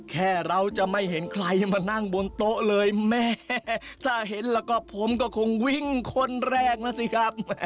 แค่เราจะไม่เห็นใครมานั่งบนโต๊ะเลยแม่ถ้าเห็นแล้วก็ผมก็คงวิ่งคนแรกนะสิครับ